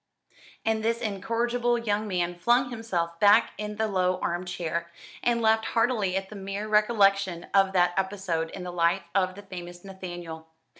And this incorrigible young man flung himself back in the low arm chair, and laughed heartily at the mere recollection of that episode in the life of the famous Nathaniel.